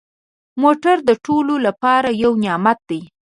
موټر د ټولو لپاره یو نعمت دی.